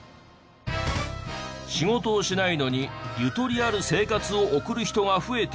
仕事をしないのにゆとりある生活を送る人が増えている。